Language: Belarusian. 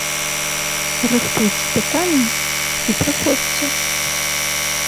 Рыхтуйце пытанні і прыходзьце!